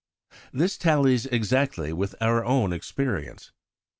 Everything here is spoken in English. This tallies exactly with our own experience.